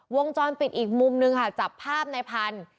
วงจรปิดอีกมุมนึงค่ะจับภาพในพันธุ์